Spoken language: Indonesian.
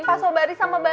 pas obari sama badar